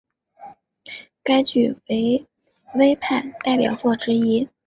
该剧为戚派代表作之一。